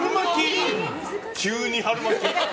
急に春巻き。